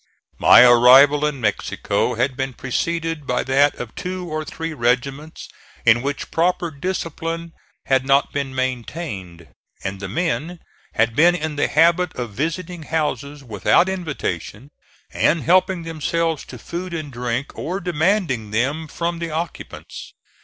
My arrival in Mexico had been preceded by that of two or three regiments in which proper discipline had not been maintained, and the men had been in the habit of visiting houses without invitation and helping themselves to food and drink, or demanding them from the occupants.